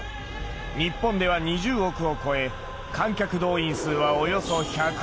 日本では２０億を超え観客動員数はおよそ１４０万。